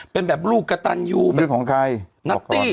เป็นแบบลูกกระตันอยู่เป็นนาตตี้